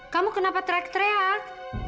kamu kenapa teriak teriak